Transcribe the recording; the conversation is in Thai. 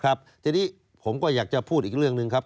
ครับทีนี้ผมก็อยากจะพูดอีกเรื่องหนึ่งครับ